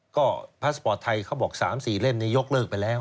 ก็พาสปอร์ตไทยเขาบอก๓๔เล่มยกเลิกไปแล้ว